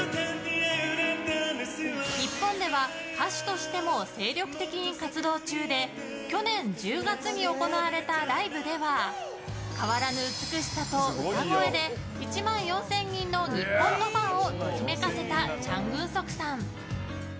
日本では歌手としても精力的に活動中で去年１０月に行われたライブでは変わらぬ美しさと歌声で１万４０００人の日本のキャラをときめかせたチャン・グンソクさん。